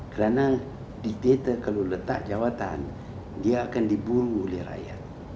karena diktator kalau letak jawatan dia akan diburu oleh rakyat